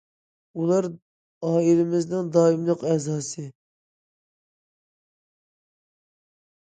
ئۇلار ئائىلىمىزنىڭ دائىملىق ئەزاسى.